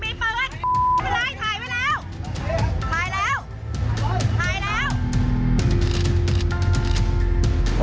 มีประวัติศาสตร์ที่สุดในประวัติศาสตร์